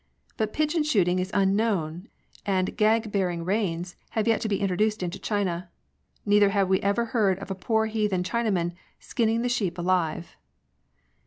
But pigeon shooting is unknown, and gag bearing reins have yet to be introduced into China ; neither have we ever heard of a poor heathen China man " skinning a sheep alive."